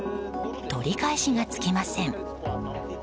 取り返しがつきません。